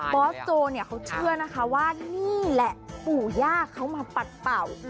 อสโจเนี่ยเขาเชื่อนะคะว่านี่แหละปู่ย่าเขามาปัดเป่า